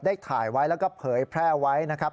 ถ่ายไว้แล้วก็เผยแพร่ไว้นะครับ